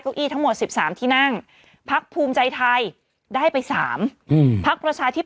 เก้าอี้ทั้งหมด๑๓ที่นั่งพักภูมิใจไทยได้ไป๓พักประชาธิป